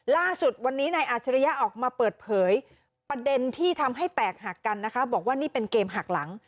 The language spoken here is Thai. ล่าสุดวันนี้นายอาจริยะออกมาเปิดเผยประเด็นที่ทำให้แตกหักกันนะคะบอกว่านี่เป็นเกมหักหลัง